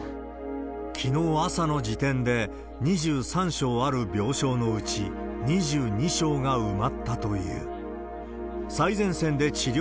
きのう朝の時点で、２３床ある病床のうち２２床が埋まったという。